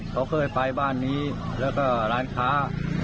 เขาเคยไปบ้านนี้แล้วก็ร้านค้า